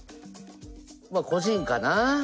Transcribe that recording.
まっ個人かな。